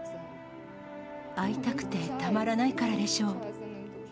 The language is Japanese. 会いたくてたまらないからでしょう。